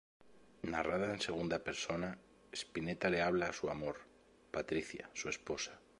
Narrada en segunda persona, Spinetta le habla a su "amor": Patricia, su esposa.